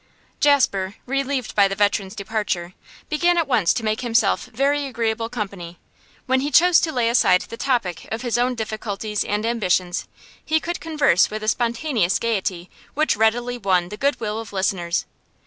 Jasper, relieved by the veteran's departure, began at once to make himself very agreeable company. When he chose to lay aside the topic of his own difficulties and ambitions, he could converse with a spontaneous gaiety which readily won the good will of listeners.